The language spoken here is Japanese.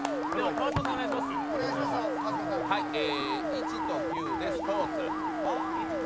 １と９でスポーツ。